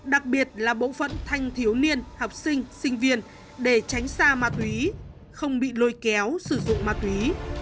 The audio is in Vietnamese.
đặc biệt là bộ phận thanh thiếu niên học sinh sinh viên để tránh xa ma túy không bị lôi kéo sử dụng ma túy